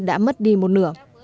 đã mất đi một nửa